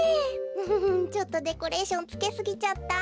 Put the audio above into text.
フフフちょっとデコレーションつけすぎちゃった。